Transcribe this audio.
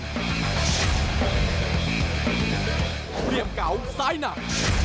เตรียมเก๋าสายหนัก